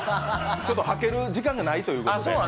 はける時間がないということで。